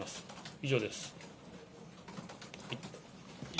以上です。